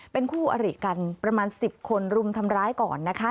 เป็นคู่อริกันประมาณ๑๐คนรุมทำร้ายก่อนนะคะ